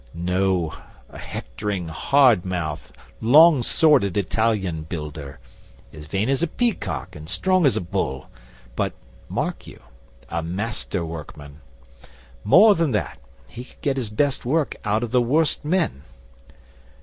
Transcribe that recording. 'No, a hectoring, hard mouthed, long sworded Italian builder, as vain as a peacock and as strong as a bull, but, mark you, a master workman. More than that he could get his best work out of the worst men.